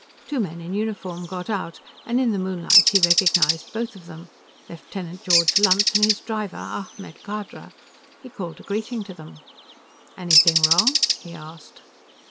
Two men in uniform got out, and in the moonlight he recognized both of them: Lieutenant George Lunt and his driver, Ahmed Khadra. He called a greeting to them. "Anything wrong?" he asked.